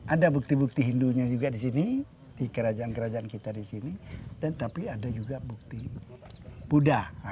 ada bukti bukti hindunya juga di sini di kerajaan kerajaan kita di sini tapi ada juga bukti buddha